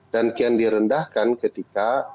dan kian direndahkan ketika